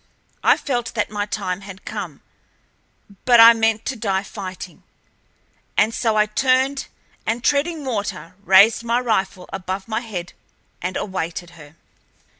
I felt that my time had come, but I meant to die fighting. And so I turned, and, treading water, raised my rifle above my head and awaited her.